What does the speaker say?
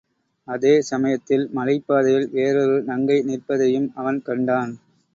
அதே சமயத்தில் மலைப்பாதையில் வேறொரு நங்கை நிற்பதையும் அவன் கண்டான்.